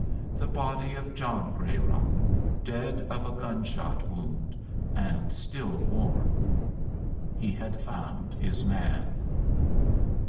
the body of John Grayrock, dead of a gunshot wound, and still warm! He had found his man.